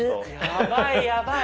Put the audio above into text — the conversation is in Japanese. やばいやばい。